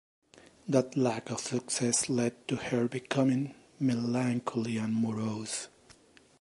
That lack of success led to her becoming "melancholy and morose".